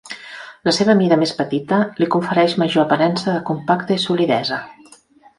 La seva mida més petita, li confereix major aparença de compacte i solidesa.